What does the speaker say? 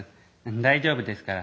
大丈夫ですから」。